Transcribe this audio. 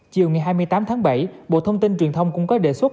chiều ngày hai mươi tám tháng bảy bộ thông tin truyền thông cũng có đề xuất